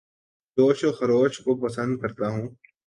جوش و خروش کو پسند کرتا ہوں